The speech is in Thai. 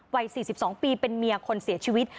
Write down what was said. วัย๔๒ปีเป็นเมียคนเสียชีวิต